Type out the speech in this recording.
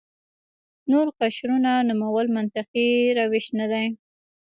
نور قشرونو نومول منطقي روش نه دی.